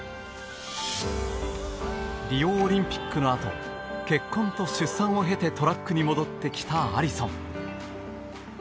リオオリンピックのあと結婚と出産を経てトラックに戻ってきたアリソン。